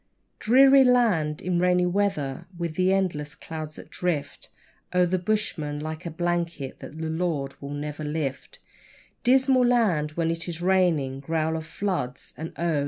Dreary land in rainy weather, with the endless clouds that drift O'er the bushman like a blanket that the Lord will never lift Dismal land when it is raining growl of floods, and, oh!